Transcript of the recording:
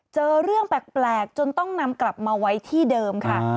เจอเรื่องแปลกจนต้องนำกลับมาไว้ที่เดิมค่ะ